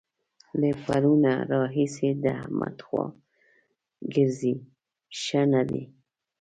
له پرونه راهسې د احمد خوا ګرځي؛ ښه نه دی.